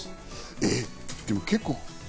え、でも結構。